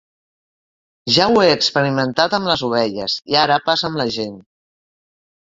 Ja ho he experimentat amb les ovelles, i ara passa amb la gent.